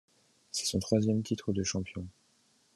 C’est son troisième titre de champion.